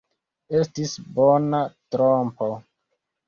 Estis bona trompo!